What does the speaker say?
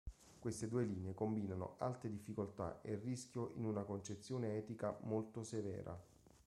Queste due linee combinano alte difficoltà e rischio in una concezione etica molto severa.